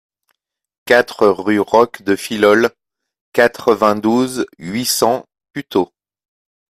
quatre rue Roque de Fillol, quatre-vingt-douze, huit cents, Puteaux